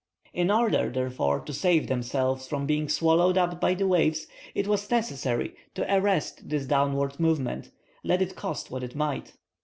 In order, therefore, to save themselves from being swallowed up by the waves it was necessary to arrest this downward movement, let it cost what it might.